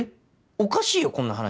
おかしいよこんな話。